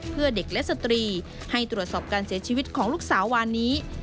เพื่อเด็กและสตรีให้ตรวจสอบการเสียชีวิตของลูกสาววานนี้